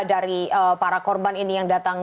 dari para korban ini yang datang